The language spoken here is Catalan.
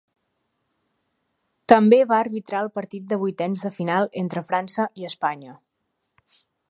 També va arbitrar el partit de vuitens de final entre França i Espanya.